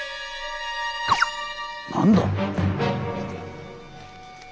何だ？